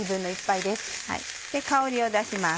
香りを出します。